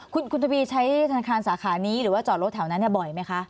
คุณทวีใช้ธนาคารสาขานี้หรือว่าจอดรถแถวนั้นบ่อยไหมคะ